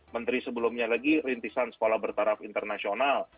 menteri sebelumnya lagi rintisan sekolah bertaraf internasional